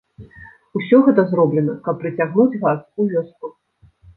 Усё гэта зроблена, каб прыцягнуць газ у вёску.